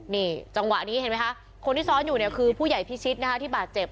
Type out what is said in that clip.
นี่จังหวะนี้เห็นไหมคะคนที่ซ้อนอยู่เนี่ยคือผู้ใหญ่พิชิตนะคะที่บาดเจ็บ